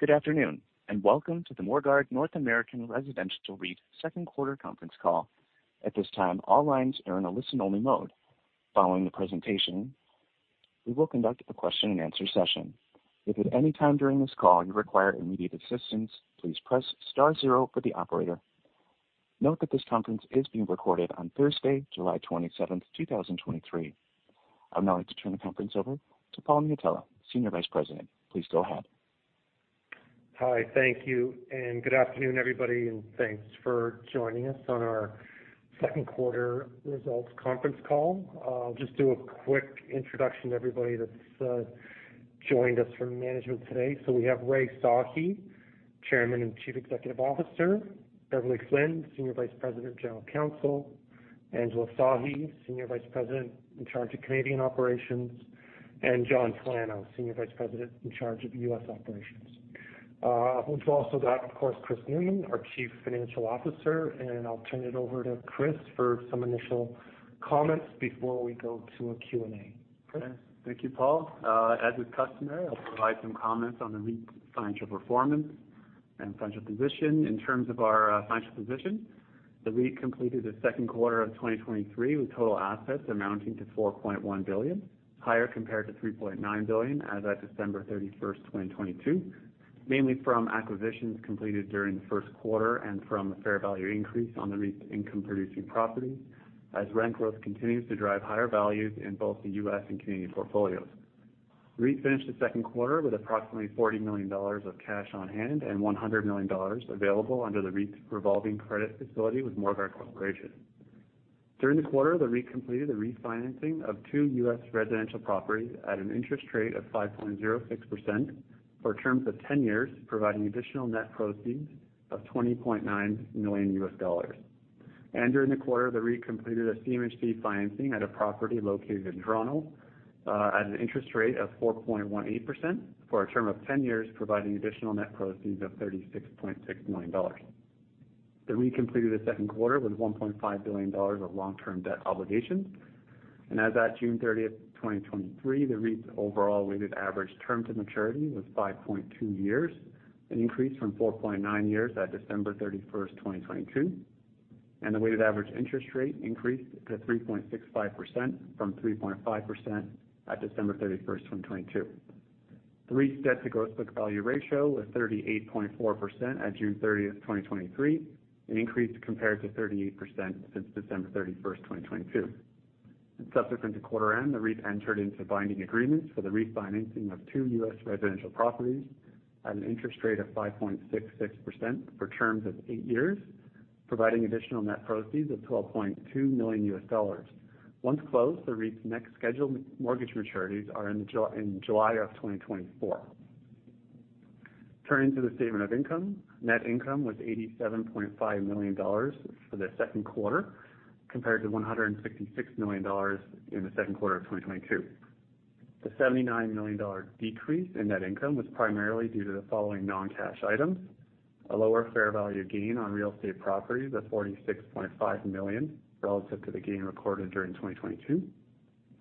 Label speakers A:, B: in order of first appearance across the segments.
A: Good afternoon. Welcome to the Morguard North American Residential REIT Q2 conference call. At this time, all lines are in a listen-only mode. Following the presentation, we will conduct a question-and-answer session. If at any time during this call you require immediate assistance, please press star zero for the operator. Note that this conference is being recorded on Thursday, July, 27th, 2023. I'd now like to turn the conference over to Paul Miatello, Senior Vice President. Please go ahead.
B: Hi. Thank you, good afternoon, everybody, thanks for joining us on our Q2 results conference call. I'll just do a quick introduction to everybody that's joined us from management today. We have Rai Sahi, Chairman and Chief Executive Officer, Beverley Flynn, Senior Vice President, General Counsel, Angela Sahi, Senior Vice President in charge of Canadian operations, and John Talano, Senior Vice President in charge of US operations. We've also got, of course, Chris Newman, our Chief Financial Officer, I'll turn it over to Chris for some initial comments before we go to a Q&A. Chris?
C: Thank you, Paul. As is customary, I'll provide some comments on the REIT's financial performance and financial position. In terms of our financial position, the REIT completed the Q2 of 2023, with total assets amounting to $4.1 billion, higher compared to $3.9 billion as at December 31st, 2022, mainly from acquisitions completed during the Q1 and from a fair value increase on the REIT's income-producing property, as rent growth continues to drive higher values in both the U.S. and Canadian portfolios. REIT finished the Q2 with approximately $40 million of cash on hand and $100 million available under the REIT's revolving credit facility with Morguard Corporation. During the quarter, the REIT completed the refinancing of two U.S. residential properties at an interest rate of 5.06% for terms of 10 years, providing additional net proceeds of $20.9 million. During the quarter, the REIT completed a CMHC financing at a property located in Toronto at an interest rate of 4.18% for a term of 10 years, providing additional net proceeds of $36.6 million. The REIT completed the Q2 with $1.5 billion of long-term debt obligations. As at June 30th, 2023, the REIT's overall weighted average term to maturity was 5.2 years, an increase from 4.9 years at December 31st, 2022. The weighted average interest rate increased to 3.65% from 3.5% at 31st December, 2022. The REIT's debt-to-gross book value ratio was 38.4% at June 30th, 2023, an increase compared to 38% since December 31st, 2022. Subsequent to quarter end, the REIT entered into binding agreements for the refinancing of two U.S. residential properties at an interest rate of 5.66% for terms of eight years, providing additional net proceeds of $12.2 million U.S. dollars. Once closed, the REIT's next scheduled mortgage maturities are in July of 2024. Turning to the statement of income, net income was $87.5 million for the Q2, compared to $166 million in the Q2 of 2022. The $79 million decrease in net income was primarily due to the following non-cash items: a lower fair value gain on real estate properties of $46.5 million relative to the gain recorded during 2022,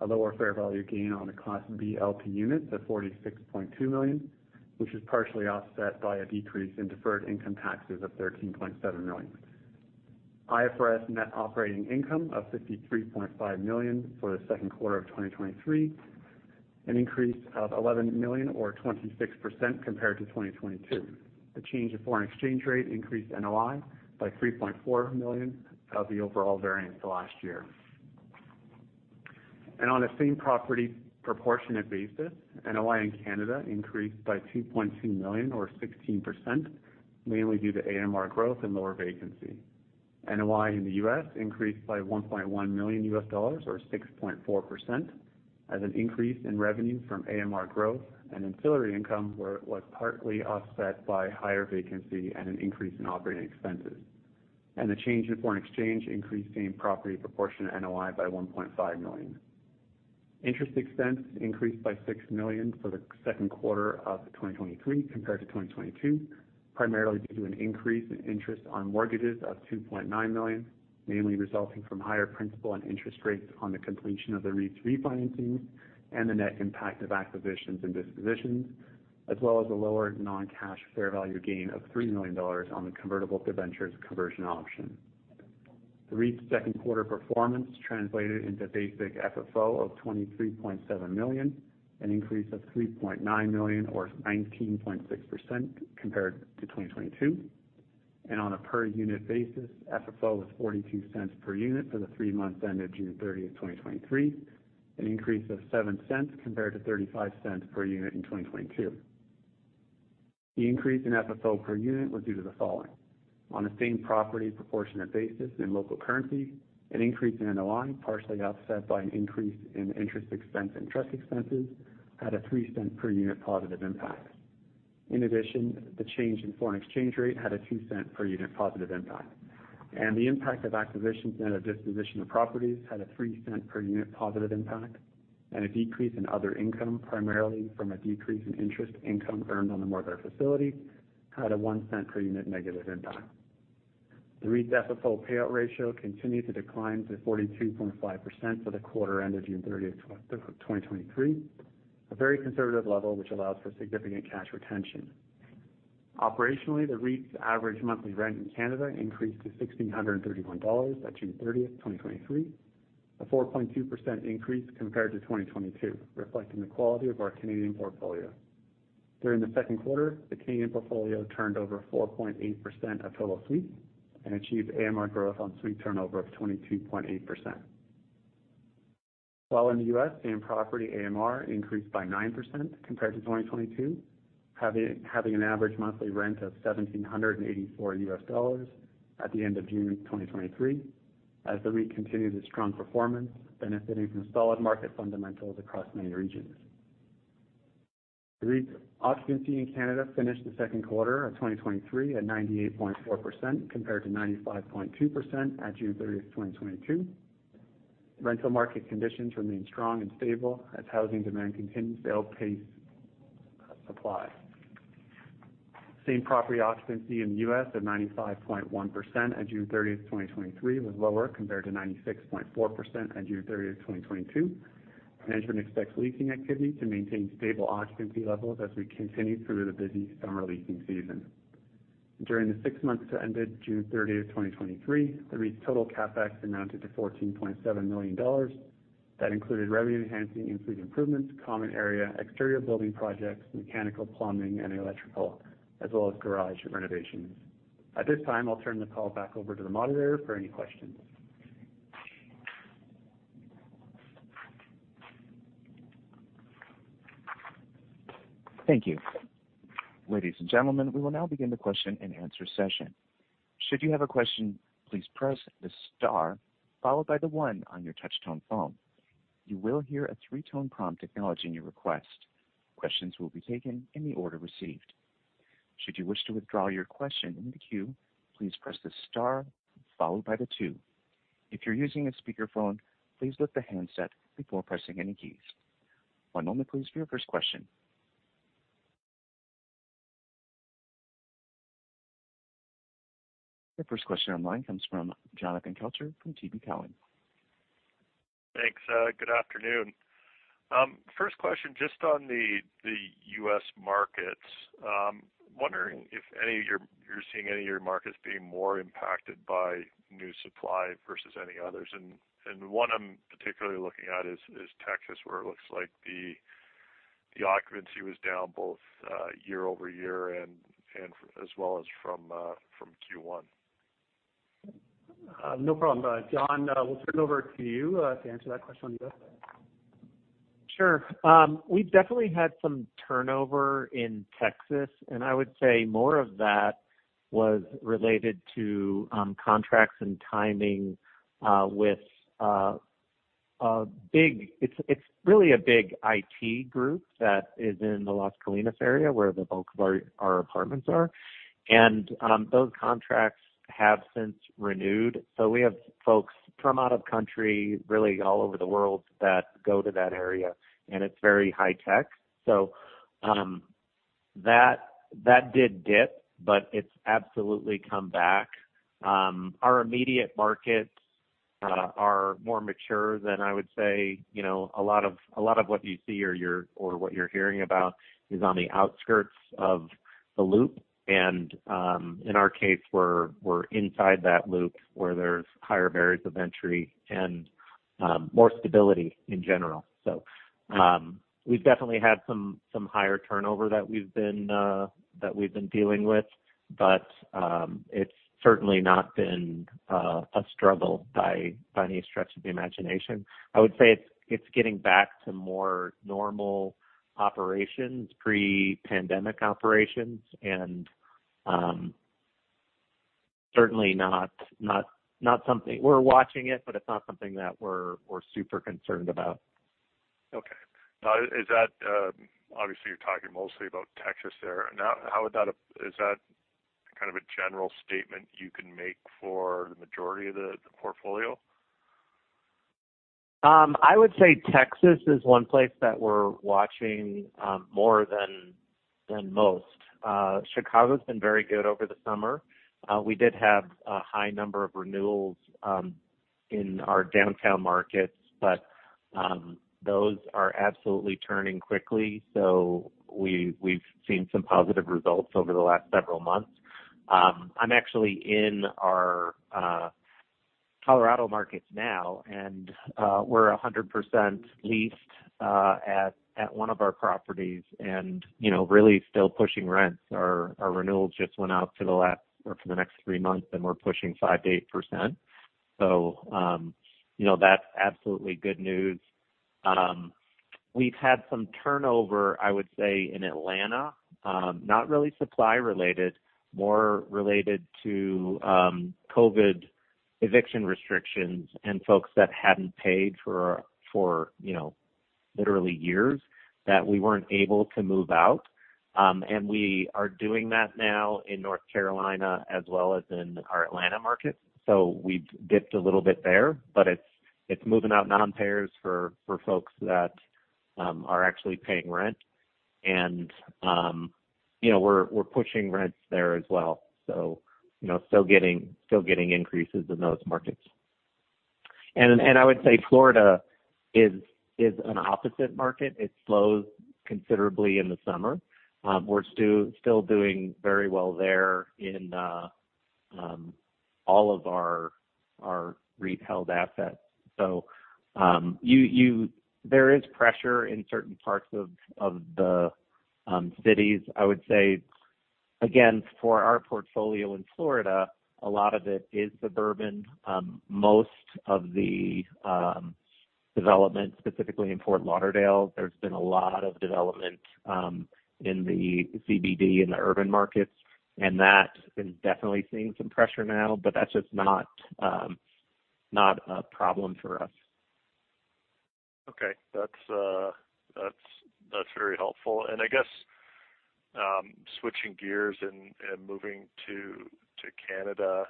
C: a lower fair value gain on the Class B LP units of $46.2 million, which is partially offset by a decrease in deferred income taxes of $13.7 million. IFRS net operating income of $53.5 million for the Q2 of 2023, an increase of $11 million or 26% compared to 2022. The change in foreign exchange rate increased NOI by 3.4 million of the overall variance to last year. On a same-property proportionate basis, NOI in Canada increased by 2.2 million or 16%, mainly due to AMR growth and lower vacancy. NOI in the US increased by $1.1 million or 6.4%, as an increase in revenue from AMR growth and ancillary income was partly offset by higher vacancy and an increase in operating expenses. The change in foreign exchange increased same-property proportionate NOI by 1.5 million. Interest expense increased by $6 million for the Q2 of 2023 compared to 2022, primarily due to an increase in interest on mortgages of $2.9 million, mainly resulting from higher principal and interest rates on the completion of the REIT's refinancing and the net impact of acquisitions and dispositions, as well as a lower non-cash fair value gain of $3 million on the convertible debentures conversion option. The REIT's Q2 performance translated into basic FFO of $23.7 million, an increase of $3.9 million or 19.6% compared to 2022, and on a per unit basis, FFO was $0.42 per unit for the three months ended June 30th, 2023, an increase of $0.07 compared to $0.35 per unit in 2022. The increase in FFO per unit was due to the following: On a same-property proportionate basis in local currency, an increase in NOI, partially offset by an increase in interest expense and trust expenses, had a 0.03 per unit positive impact. In addition, the change in foreign exchange rate had a 0.02 per unit positive impact. The impact of acquisitions and a disposition of properties had a 0.03 per unit positive impact, and a decrease in other income, primarily from a decrease in interest income earned on the Morguard Facility, had a 0.01 per unit negative impact. The REIT's FFO payout ratio continued to decline to 42.5% for the quarter ended 30th June, 2023, a very conservative level, which allows for significant cash retention. Operationally, the REIT's average monthly rent in Canada increased to 1,631 dollars by June 30, 2023, a 4.2% increase compared to 2022, reflecting the quality of our Canadian portfolio. During the Q2, the Canadian portfolio turned over 4.8% of total suites and achieved AMR growth on suite turnover of 22.8%. In the U.S., same property AMR increased by 9% compared to 2022, having an average monthly rent of $1,784 U.S. dollars at the end of June 2023, as the REIT continued its strong performance, benefiting from solid market fundamentals across many regions. The REIT's occupancy in Canada finished the Q2 of 2023 at 98.4%, compared to 95.2% at June 30th, 2022. Rental market conditions remain strong and stable as housing demand continues to outpace supply. Same property occupancy in the U.S. at 95.1% at June 30th, 2023, was lower compared to 96.4% at June 30th, 2022. Management expects leasing activity to maintain stable occupancy levels as we continue through the busy summer leasing season. During the six months that ended 30th June, 2023, the REIT's total CapEx amounted to $14.7 million. That included revenue-enhancing in-suite improvements, common area, exterior building projects, mechanical, plumbing, and electrical, as well as garage renovations. At this time, I'll turn the call back over to the moderator for any questions.
A: Thank you. Ladies and gentlemen, we will now begin the question-and-answer session. Should you have a question, please press the star followed by the one on your touchtone phone. You will hear a three-tone prompt acknowledging your request. Questions will be taken in the order received. Should you wish to withdraw your question in the queue, please press the star followed by the two. If you're using a speakerphone, please lift the handset before pressing any keys. one moment, please, for your first question. Your first question online comes from Jonathan Kelcher from TD Cowen.
D: Thanks. Good afternoon. First question, just on the, the U.S. markets. Wondering if you're seeing any of your markets being more impacted by new supply versus any others? One I'm particularly looking at is Texas, where it looks like the occupancy was down both year-over-year and as well as from Q1.
C: No problem. Jon, we'll turn it over to you, to answer that question on the U.S.
E: Sure. We've definitely had some turnover in Texas. I would say more of that was related to contracts and timing. It's really a big IT group that is in the Las Colinas area, where the bulk of our apartments are. Those contracts have since renewed. We have folks from out of country, really all over the world, that go to that area, and it's very high tech. That did dip, but it's absolutely come back. Our immediate markets are more mature than I would say, you know, a lot of what you see or you're, or what you're hearing about is on the outskirts of the loop. In our case, we're inside that loop where there's higher barriers of entry and more stability in general. We've definitely had some higher turnover that we've been dealing with. It's certainly not been a struggle by any stretch of the imagination. I would say it's getting back to more normal operations, pre-pandemic operations. Certainly not something. We're watching it. It's not something that we're super concerned about.
D: Okay. Now, you're talking mostly about Texas there. Now, Is that kind of a general statement you can make for the majority of the portfolio?
E: I would say Texas is one place that we're watching more than most. Chicago's been very good over the summer. We did have a high number of renewals in our downtown markets, but those are absolutely turning quickly, so we've seen some positive results over the last several months. I'm actually in our Colorado markets now, and we're 100% leased at one of our properties and, you know, really still pushing rents. Our renewals just went out for the last or for the next three months, and we're pushing 5%-8%. You know, that's absolutely good news. We've had some turnover, I would say, in Atlanta, not really supply related, more related to COVID eviction restrictions and folks that hadn't paid for, you know, literally years, that we weren't able to move out. We are doing that now in North Carolina as well as in our Atlanta markets. We've dipped a little bit there, but it's moving out non-payers for folks that are actually paying rent. You know, we're pushing rents there as well. You know, still getting increases in those markets. I would say Florida is an opposite market. It slows considerably in the summer. We're still doing very well there in all of our REIT-held assets. There is pressure in certain parts of the cities. I would say, again, for our portfolio in Florida, a lot of it is suburban. Most of the development, specifically in Fort Lauderdale, there's been a lot of development, in the CBD, in the urban markets. That has been definitely seeing some pressure now, but that's just not, not a problem for us.
D: Okay. That's very helpful. I guess, switching gears and moving to Canada,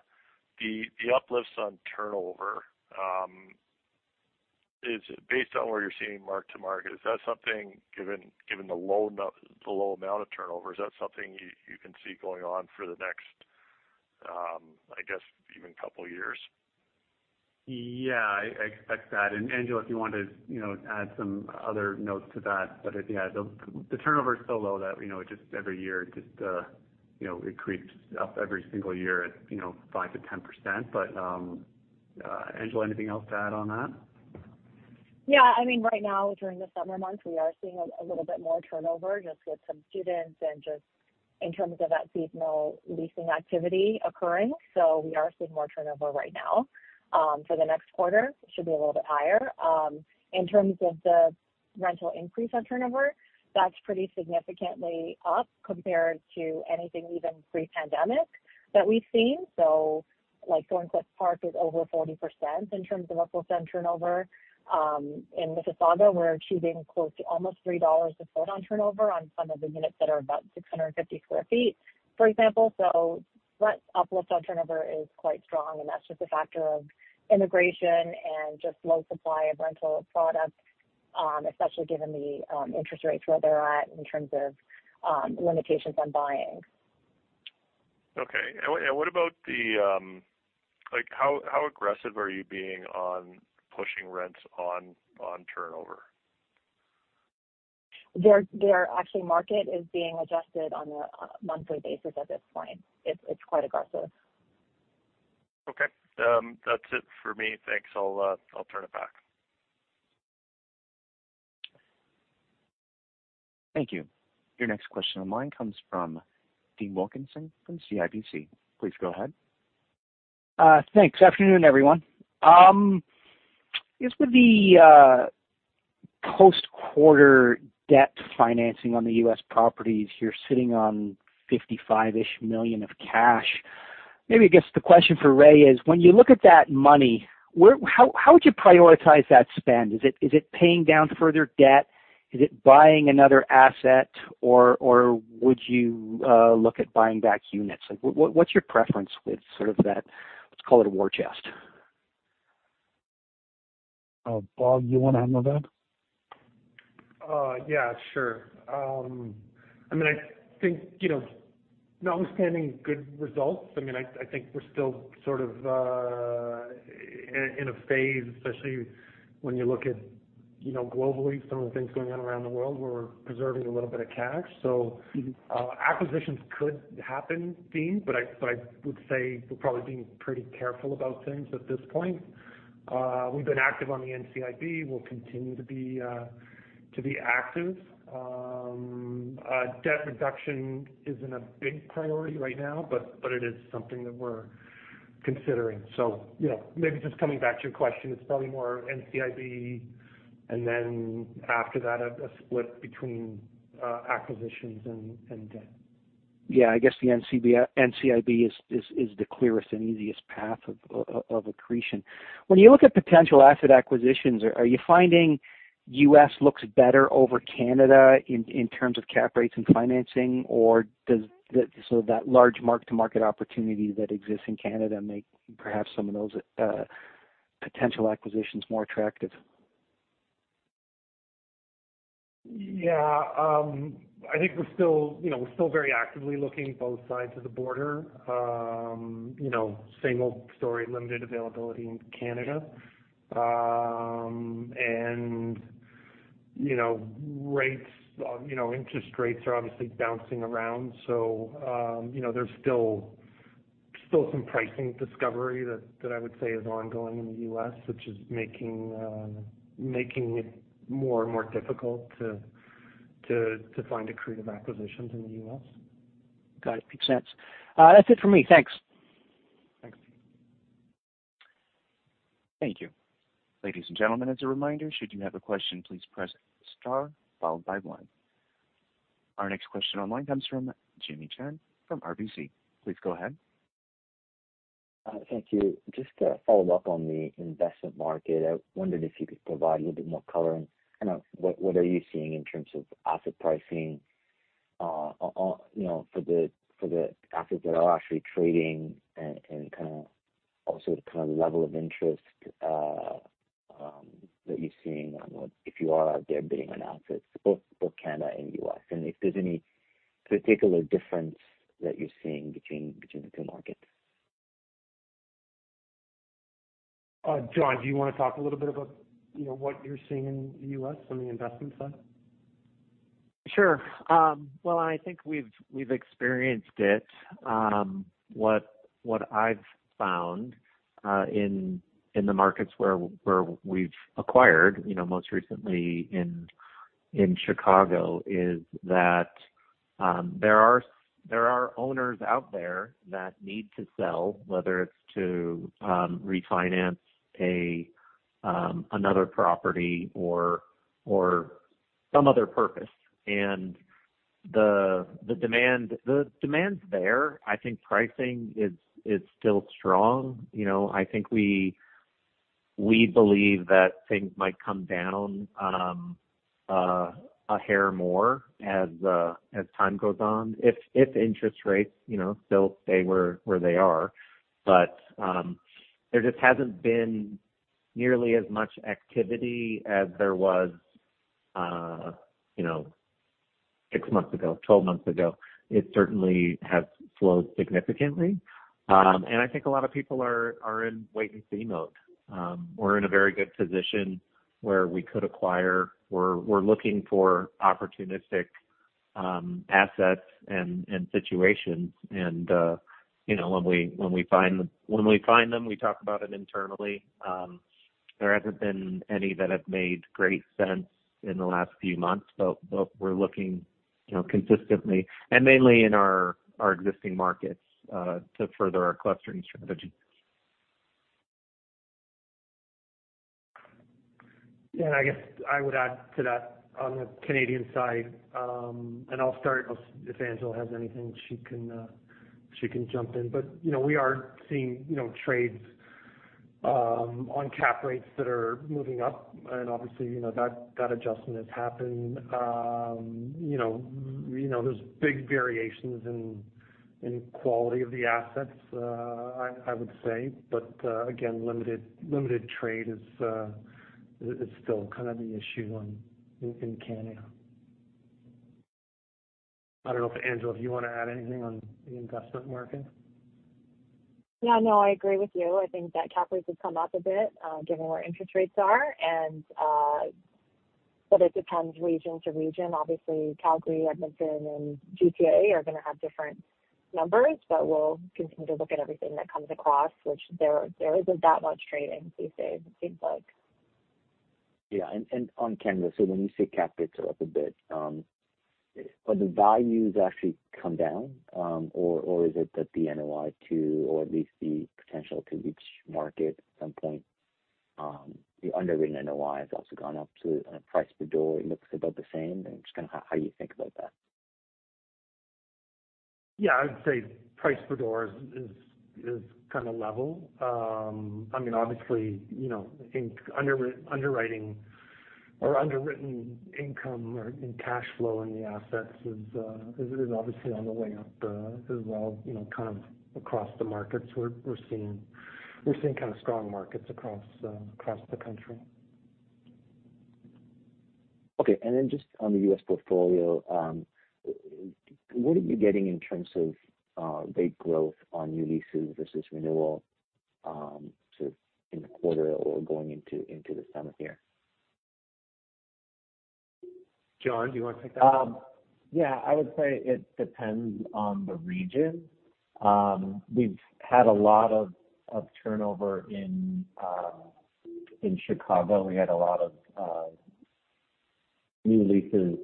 D: the uplifts on turnover is based on where you're seeing mark-to-market, is that something, given the low amount of turnover, is that something you can see going on for the next, I guess, even couple years?
E: Yeah, I expect that. Angela, if you want to, you know, add some other notes to that. Yeah, the, the turnover is so low that, you know, just every year, just, you know, it creeps up every single year at, you know, 5%-10%. Angela, anything else to add on that?
F: Yeah. I mean, right now, during the summer months, we are seeing a little bit more turnover, just with some students and just in terms of that seasonal leasing activity occurring. We are seeing more turnover right now. For the next quarter, it should be a little bit higher. In terms of the rental increase on turnover, that's pretty significantly up compared to anything even pre-pandemic that we've seen. Thorncliffe Park is over 40% in terms of uplift on turnover. In Mississauga, we're achieving close to almost $3 a foot on turnover on some of the units that are about 650 sq ft, for example. Rent uplifts on turnover is quite strong, and that's just a factor of immigration and just low supply of rental product, especially given the interest rates, where they're at in terms of limitations on buying.
D: Okay. What about the, Like, how aggressive are you being on pushing rents on turnover?
F: They're actually market is being adjusted on a monthly basis at this point. It's quite aggressive.
D: Okay. That's it for me. Thanks. I'll turn it back.
A: Thank you. Your next question online comes from Dean Wilkinson from CIBC. Please go ahead.
G: Thanks. Afternoon, everyone. Just with the post-quarter debt financing on the U.S. properties, you're sitting on 55-ish million of cash. Maybe, I guess, the question for Ray is, when you look at that money, how, how would you prioritize that spend? Is it paying down further debt? Is it buying another asset, or would you look at buying back units? Like, what's your preference with sort of that, let's call it, a war chest?
E: Bob, you want to handle that?
B: Yeah, sure. I mean, I think, you know, notwithstanding good results, I mean, I, I think we're still sort of in, in a phase, especially when you look at, you know, globally, some of the things going on around the world, where we're preserving a little bit of cash.
G: Mm-hmm.
B: Acquisitions could happen, Dean, but I would say we're probably being pretty careful about things at this point. We've been active on the NCIB, we'll continue to be active. Debt reduction isn't a big priority right now, but it is something that we're considering. Maybe just coming back to your question, it's probably more NCIB, and then after that, a split between acquisitions and debt.
G: Yeah, I guess the NCIB is the clearest and easiest path of accretion. When you look at potential asset acquisitions, are you finding U.S. looks better over Canada in terms of cap rates and financing, or so that large mark-to-market opportunity that exists in Canada make perhaps some of those potential acquisitions more attractive?
B: Yeah, I think we're still, you know, we're still very actively looking at both sides of the border. You know, same old story, limited availability in Canada. You know, rates, you know, interest rates are obviously bouncing around, so, you know, there's still some pricing discovery that I would say is ongoing in the U.S., which is making it more and more difficult to find accretive acquisitions in the U.S.
G: Got it. Makes sense. That's it for me. Thanks.
B: Thanks.
A: Thank you. Ladies and gentlemen, as a reminder, should you have a question, please press star followed by one. Our next question online comes from Jimmy Shan from RBC. Please go ahead.
H: Thank you. Just to follow up on the investment market, I wondered if you could provide a little bit more color on, you know, what are you seeing in terms of asset pricing? You know, for the assets that are actually trading and kind of also the kind of level of interest that you're seeing on if you are out there bidding on assets, both Canada and US. And if there's any particular difference that you're seeing between the two markets?
B: John, do you wanna talk a little bit about, you know, what you're seeing in the U.S. on the investment side?
E: Sure. Well, I think we've experienced it. What I've found in the markets where we've acquired, you know, most recently in Chicago, is that there are owners out there that need to sell, whether it's to refinance another property or some other purpose. The demand's there. I think pricing is still strong. You know, I think we believe that things might come down a hair more as time goes on, if interest rates, you know, still stay where they are. There just hasn't been nearly as much activity as there was, you know, six months ago, 12 months ago. It certainly has slowed significantly. I think a lot of people are in wait-and-see mode. We're in a very good position where we could acquire. We're looking for opportunistic assets and situations. You know, when we find them, we talk about them internally. There hasn't been any that have made great sense in the last few months. We're looking, you know, consistently and mainly in our existing markets to further our clustering strategy.
B: I guess I would add to that on the Canadian side, and I'll start, unless if Angela has anything, she can jump in. You know, we are seeing, you know, trades on cap rates that are moving up, and obviously, you know, that adjustment has happened. You know, there's big variations in quality of the assets, I would say, but again, limited trade is still kind of the issue in Canada. I don't know if, Angela, do you want to add anything on the investment market?
F: Yeah, no, I agree with you. I think that cap rates have come up a bit, given where interest rates are. It depends region to region. Obviously, Calgary, Edmonton and GTA are gonna have different numbers, but we'll continue to look at everything that comes across, which there isn't that much trading these days, it seems like.
H: Yeah. On Canada, when you say cap rates are up a bit, but the values actually come down, or, or is it that the NOI to, or at least the potential to reach market at some point, the underwriting NOI has also gone up to, price per door, it looks about the same? Just kinda how, how you think about that?
B: Yeah, I would say price per door is kind of level. I mean, obviously, you know, I think underwriting or underwritten income or, and cash flow in the assets is obviously on the way up as well, you know, kind of across the markets we're seeing kind of strong markets across the country.
H: Okay. Just on the US portfolio, what are you getting in terms of base growth on new leases versus renewal, sort of in the quarter or going into the summer here?
B: John, do you want to take that?
E: Yeah, I would say it depends on the region. We've had a lot of turnover in Chicago. We had a lot of new leases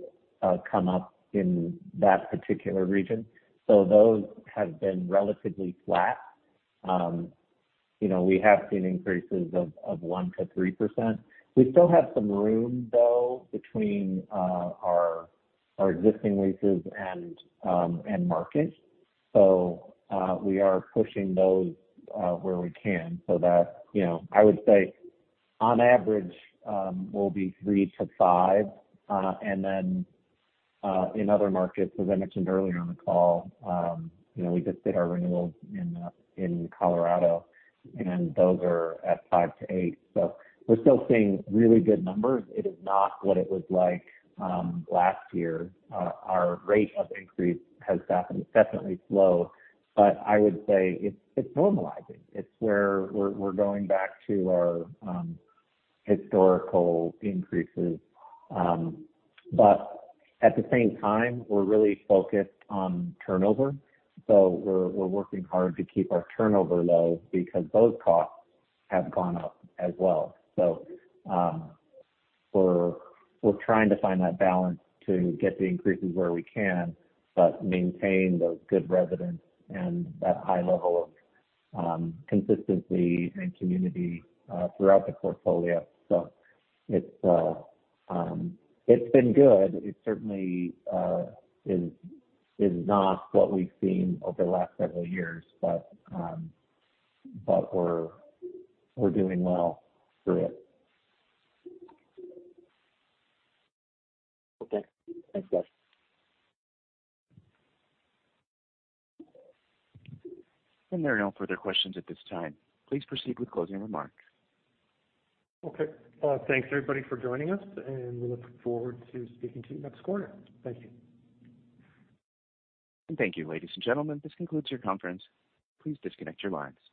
E: come up in that particular region, so those have been relatively flat. You know, we have seen increases of 1% to 3%. We still have some room though, between our existing leases and markets. We are pushing those where we can so that, you know, I would say on average, we'll be 3% to 5%. And then, in other markets, as I mentioned earlier on the call, you know, we just did our renewals in Colorado, and those are at 5% to 8%. We're still seeing really good numbers. It is not what it was like last year. Our rate of increase has definitely slowed, but I would say it's normalizing. It's where we're going back to our historical increases. At the same time, we're really focused on turnover, so we're working hard to keep our turnover low because those costs have gone up as well. We're trying to find that balance to get the increases where we can, but maintain those good residents and that high level of consistency and community throughout the portfolio. It's been good. It certainly is not what we've seen over the last several years, but we're doing well through it.
H: Okay. Thanks, guys.
A: There are no further questions at this time. Please proceed with closing remarks.
B: Okay, thanks, everybody, for joining us. We look forward to speaking to you next quarter. Thank you.
A: Thank you, ladies and gentlemen. This concludes your conference. Please disconnect your lines.